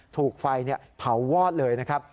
ถูกไฟเผาวอดเลยนะครับ